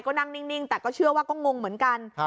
ก็นั่งนิ่งแต่ก็เชื่อว่าก็งงเหมือนกัน